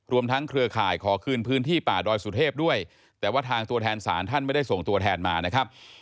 รวมทั้งเครือข่ายขอคืนพื้นที่ป่าดอยสุเทพด้วยแต่ว่าทางตัวแทนศาลท่านไม่ได้ส่งตัวแทนมานะครับ